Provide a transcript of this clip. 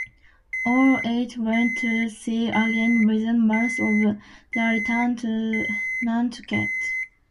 All eight went to sea again within months of their return to Nantucket.